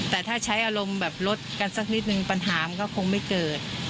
แต่ถ้าใช้อารมณ์แบบลดกันสักนิดนึงปัญหามันก็คงไม่เกิด